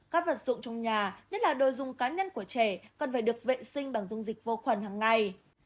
các vật dụng trong nhà nhất là đồ dùng cá nhân của trẻ cần phải được vệ sinh bằng dung dịch vô khuẩn hằng ngày